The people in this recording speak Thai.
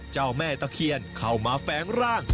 เจ้าแม่ตะเคียนเข้ามาแฝงร่าง